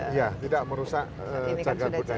iya tidak merusak cagar budaya